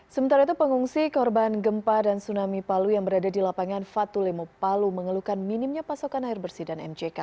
sementara itu pengungsi korban gempa dan tsunami palu yang berada di lapangan fatulemo palu mengeluhkan minimnya pasokan air bersih dan mck